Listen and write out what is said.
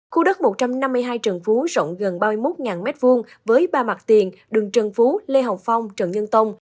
khu đất một trăm năm mươi hai trần phú rộng gần ba mươi một m hai với ba mặt tiền đường trần phú lê hồng phong trần nhân tông